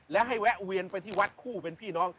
และให้แวะเวียนไปที่วัดคู่เป็นพี่น้อง